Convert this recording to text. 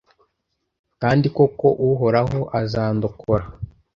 kandi koko uhoraho azandokora